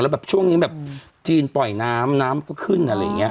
แบบช่วงนี้แบบจีนปล่อยน้ำน้ำก็ขึ้นอะไรอย่างนี้